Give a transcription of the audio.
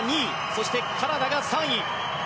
そしてカナダが３位。